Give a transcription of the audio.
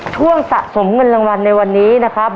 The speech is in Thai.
สะสมเงินรางวัลในวันนี้นะครับ